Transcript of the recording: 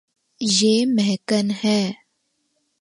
یے مہکن ہے